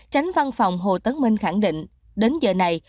tránh văn phòng hồ tấn minh khẳng định đến giờ này